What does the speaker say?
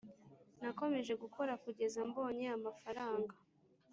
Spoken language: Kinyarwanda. Nakomeje gukora kugeza mbonye amafaranga